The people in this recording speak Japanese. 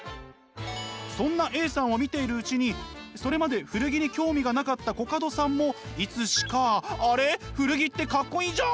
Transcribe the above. そんなＡさんを見ているうちにそれまで古着に興味がなかったコカドさんもいつしか「あれ古着ってかっこいいじゃん！